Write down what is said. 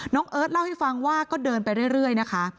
เอิร์ทเล่าให้ฟังว่าก็เดินไปเรื่อยนะคะ